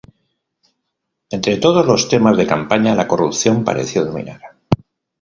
Entre todos los temas de campaña, la corrupción pareció dominar.